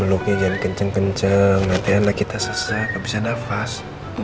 beluknya jangan kenceng kenceng nanti anak kita sesak gak bisa nafas